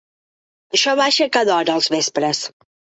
Això baixa a cada hora els vespres.